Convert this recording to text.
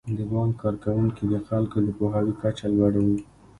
د بانک کارکوونکي د خلکو د پوهاوي کچه لوړوي.